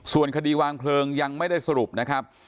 ส่วนคดีวางเพลิงยังไม่ได้สรุปนะครับ